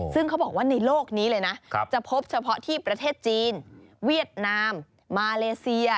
ซึ่งเขาบอกว่าในโลกนี้เลยนะจะพบเฉพาะที่ประเทศจีนเวียดนามมาเลเซีย